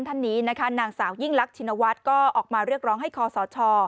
ท่านนี้นะคะนางสาวยิ่งรักชินวัฒน์ก็ออกมาเรียกร้องให้คอสช